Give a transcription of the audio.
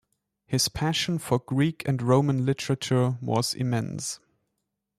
His passion for Greek and Roman literature was immense.